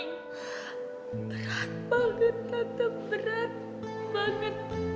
berat banget tante berat banget